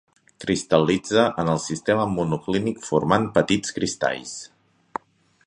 Cristal·litza en el sistema monoclínic formant petits cristalls.